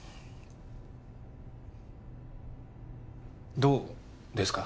どうですか？